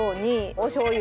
おしょう油。